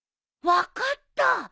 分かった！